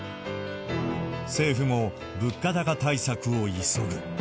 政府も物価高対策を急ぐ。